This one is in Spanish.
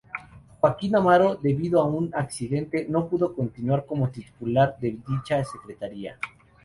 Joaquín Amaro debido a un accidente no pudo continuar como titular de dicha Secretaría.